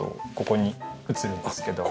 ここに映るんですけど。